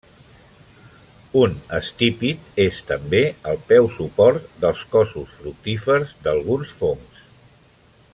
Un estípit és també el peu, suport dels cossos fructífers d'alguns fongs.